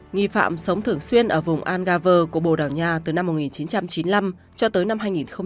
nghi phạm sống thường xuyên ở vùng algarve của bồ đào nha từ năm một nghìn chín trăm chín mươi năm cho tới năm hai nghìn bảy